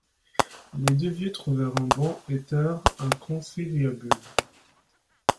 Les deux vieux trouvèrent un banc et tinrent un conciliabule.